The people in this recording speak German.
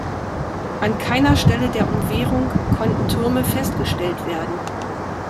An keiner Stelle der Umwehrung konnten Türme festgestellt werden.